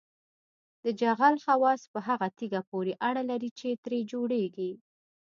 د جغل خواص په هغه تیږه پورې اړه لري چې ترې جوړیږي